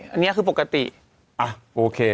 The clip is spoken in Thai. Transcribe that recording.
อันนี้คือปกติอ่ะโอเค